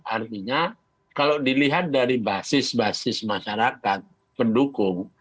artinya kalau dilihat dari basis basis masyarakat pendukung